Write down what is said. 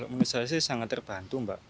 menurut saya sih sangat terbantu mbak